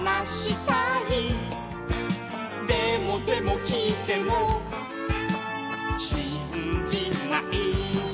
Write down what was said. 「でもでもきいてもしんじない」